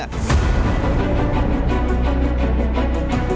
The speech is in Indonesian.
seorang pemerintah yang berpengalaman